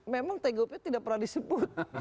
memang tgp tidak pernah disebut